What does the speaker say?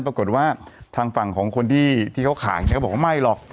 ปรากฏว่าทางฝั่งของคนที่เขาขายเนี่ยก็บอกว่าไม่หรอก